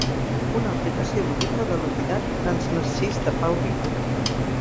Una aplicació lúdica de l'oblidat "Transnarcís" de Pau Riba.